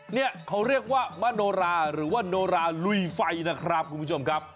เนี่ยเขาเรียกว่ามโนราหรือว่าโนราลุยไฟนะครับคุณผู้ชมครับ